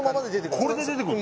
これで出てくるの？